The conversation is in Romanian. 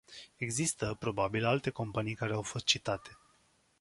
Există, probabil, alte companii care au fost citate.